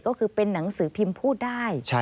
ก็คือเป็นหนังสือพิมพ์พูดได้